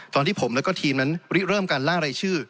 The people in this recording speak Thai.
ตอนที่ผมและก็ทีมนั้นเริ่มการล่ารายชื่อ